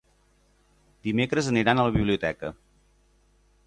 Dimecres aniran a la biblioteca.